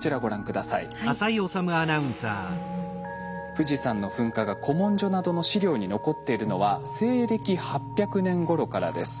富士山の噴火が古文書などの史料に残っているのは西暦８００年ごろからです。